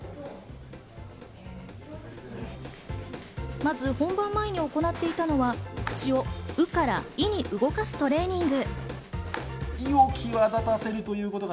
まず本番前に行っていたのは口を「う」から「い」に動かすトレーニング。